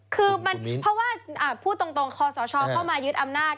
คือมันเพราะว่าพูดตรงคอสชเข้ามายึดอำนาจ